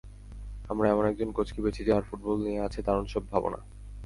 আমরা এমন একজন কোচ পেয়েছি, যাঁর ফুটবল নিয়ে আছে দারুণসব ভাবনা।